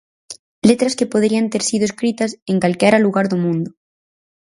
Letras que poderían ter sido escritas en calquera lugar do mundo.